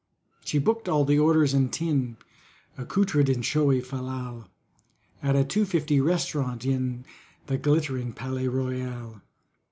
She booked all the orders and tin, Accoutred in showy fal lal, At a two fifty Restaurant, in The glittering Palais Royal.